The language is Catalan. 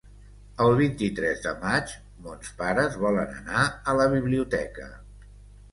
El vint-i-tres de maig mons pares volen anar a la biblioteca.